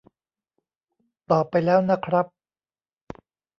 ตอบไปแล้วนะครับ